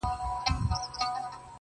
• په لوړو سترګو ځمه له جهانه قاسم یاره..